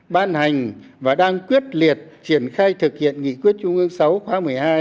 ban hành và đang quyết liệt triển khai thực hiện nghị quyết trung ương sáu khóa một mươi hai